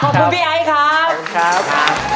ขอบคุณพี่ไอค์ครับ